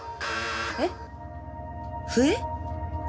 えっ？